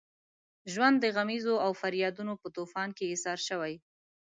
ژوند د غمیزو او فریادونو په طوفان کې ایسار شوی.